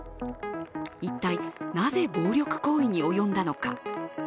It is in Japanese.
一体なぜ暴力行為に及んだのか。